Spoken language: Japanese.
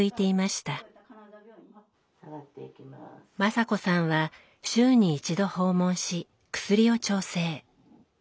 雅子さんは週に１度訪問し薬を調整。